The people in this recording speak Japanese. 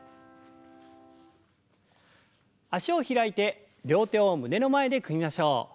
脚を開いて両手を胸の前で組みましょう。